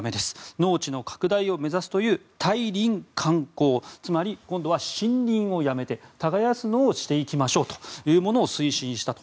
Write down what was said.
農地の拡大を目指すという退林還耕つまり、今度は森林をやめて耕すのをしていきましょうというのを推進したと。